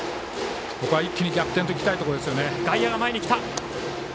一気に逆転といきたいところですね。